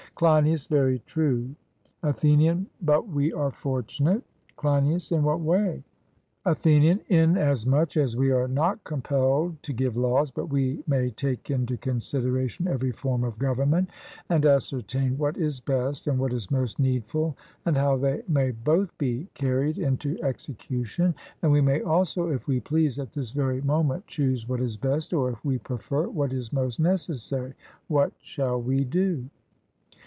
CLEINIAS: Very true. ATHENIAN: But we are fortunate. CLEINIAS: In what way? ATHENIAN: Inasmuch as we are not compelled to give laws, but we may take into consideration every form of government, and ascertain what is best and what is most needful, and how they may both be carried into execution; and we may also, if we please, at this very moment choose what is best, or, if we prefer, what is most necessary which shall we do?